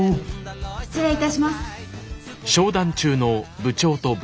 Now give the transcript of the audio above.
失礼いたします。